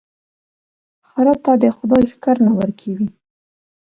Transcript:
خره ته دي خداى ښکر نه ور کوي،